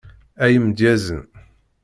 Ay imedyazen.